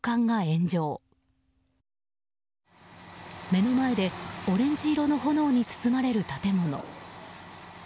目の前でオレンジ色の炎に包まれる建物。